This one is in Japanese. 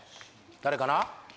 誰かな？